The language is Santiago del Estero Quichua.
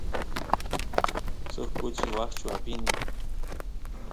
suk kuchi washchu apini